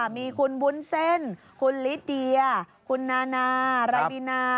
มีคุณวุ้นเส้นคุณลิเดียคุณนานารายบินา